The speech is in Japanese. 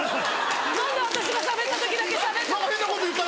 何で私がしゃべった時だけ「しゃべった」って。